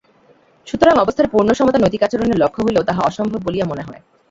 সুতরাং অবস্থার পূর্ণ সমতা নৈতিক আচরণের লক্ষ্য হইলেও তাহা অসম্ভব বলিয়া মনে হয়।